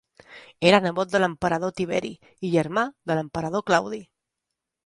Era nebot de l'emperador Tiberi i germà de l'emperador Claudi.